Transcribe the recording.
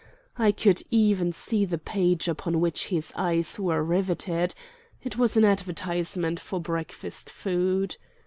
I could even see the page upon which his eyes were riveted. It was an advertisement for breakfast food.